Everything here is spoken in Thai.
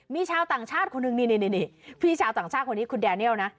มีชาวต่างชาติคนหนึ่งนี่พี่ชาวต่างชาติคนนี้คุณแดเนียลนะ